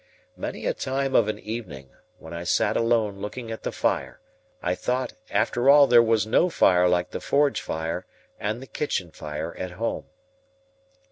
Many a time of an evening, when I sat alone looking at the fire, I thought, after all there was no fire like the forge fire and the kitchen fire at home.